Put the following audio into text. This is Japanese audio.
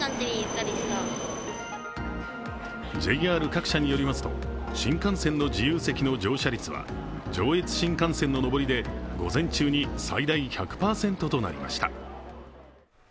ＪＲ各社によりますと、新幹線の自由席の乗車率は、上越新幹線の上りで午前中に最大１００％となりました。